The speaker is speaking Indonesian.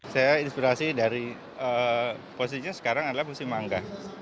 saya inspirasi dari posisinya sekarang adalah musim mangga